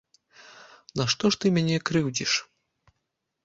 Нашто ж ты мяне крыўдзіш?